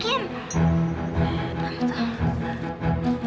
ya ya tentu